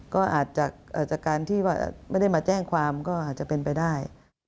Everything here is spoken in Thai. ก็อาจจะจากการที่ว่าไม่ได้มาแจ้งความก็อาจจะเป็นไปได้